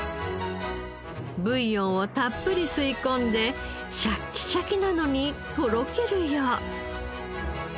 ブイヨンをたっぷり吸い込んでシャキシャキなのにとろけるよう。